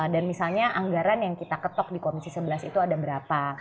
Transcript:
dan misalnya anggaran yang kita ketok di komisi sebelas itu ada berapa